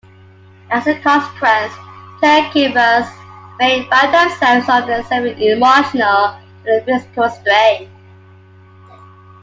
As a consequence caregivers may find themselves under severe emotional and physical strain.